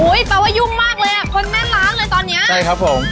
แปลว่ายุ่งมากเลยอ่ะคนแม่นล้านเลยตอนเนี้ยใช่ครับผม